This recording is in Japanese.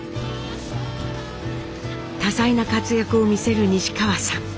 多彩な活躍を見せる西川さん。